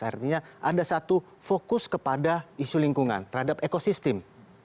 artinya ada satu fokus kepada isu lingkungan terhadap ekosistem